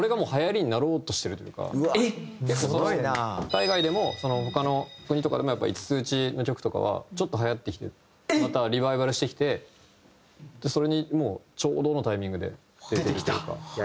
海外でも他の国とかでも５つ打ちの曲とかはちょっとはやってきてるまたリバイバルしてきてそれにちょうどのタイミングで出てるというか。